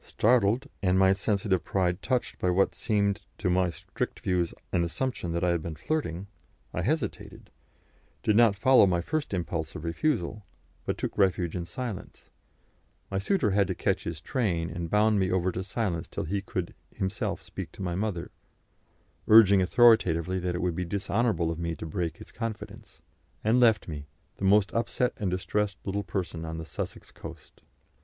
Startled, and my sensitive pride touched by what seemed to my strict views an assumption that I had been flirting, I hesitated, did not follow my first impulse of refusal, but took refuge in silence; my suitor had to catch his train, and bound me over to silence till he could himself speak to my mother, urging authoritatively that it would be dishonourable of me to break his confidence, and left me the most upset and distressed little person on the Sussex coast.